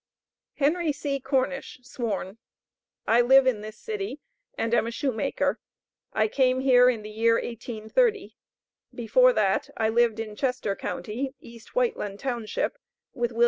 Henry C. Cornish, sworn. I live in this city, and am a shoemaker; I came here in the year 1830; before that I lived in Chester county, East Whiteland township, with Wm.